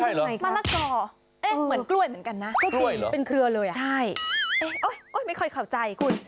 เอ้ยลูกไหนครับมะละก่อเอ้ยเหมือนกล้วยเหมือนกันนะเป็นเครือเลยใช่เอ้ยโอ้ยไม่ค่อยเข้าใจคุณ